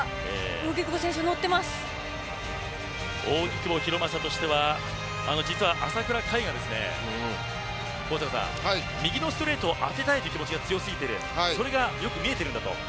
扇久保博正としては実は朝倉海が高阪さん、右ストレートを当てたいという気持ちが強くてそれがよく見えているんだと。